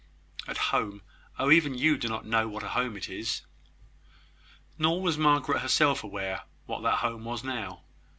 At home, Oh, even you do not know what a home it is!" Nor was Margaret herself aware what that home was now.